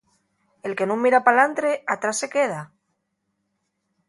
El que nun mira p'alantre, atrás se queda.